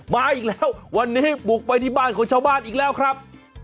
มาอีกแล้ววันนี้บุกไปที่บ้านของชาวบ้านอีกแล้วครับ